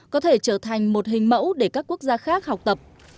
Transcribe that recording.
có thể trở thành một hình mẫu để các quốc gia khác học tập